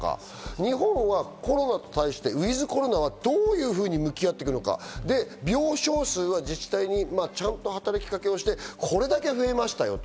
日本はコロナに対して、ｗｉｔｈコロナはどういうふうに向き合っていくのか、病床数は自治体にちゃんと働きかけをしてこれだけ増えましたよと。